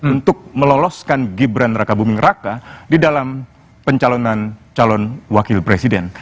untuk meloloskan gibran raka buming raka di dalam pencalonan calon wakil presiden